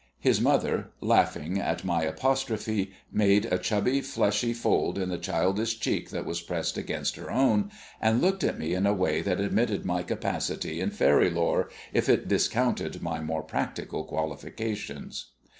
His mother, laughing at my apostrophe, made a chubby fleshy fold in the childish cheek that was pressed against her own, and looked at me in a way that admitted my capacity in fairy lore, if it discounted my more practical qualifications.